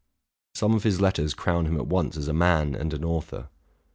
Some of his letters crown him at once as a man and an author.